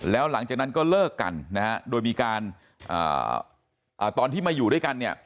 แล้วหลังจากนั้นก็เลิกกันนะฮะโดยมีการตอนที่มาอยู่ด้วยกันเนี่ย